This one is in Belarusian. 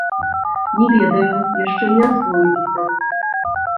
Не ведаем, яшчэ не асвоіліся.